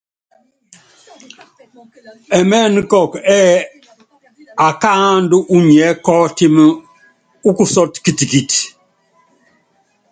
Ɛmɛ́nɛ́ kɔkɔ ɛ́ɛ́ akáandú unyiɛ́ kɔ́ɔtímí úkusɔ́tɔ kitikit.